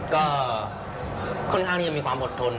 ก็ค่อนข้างที่จะมีความอดทน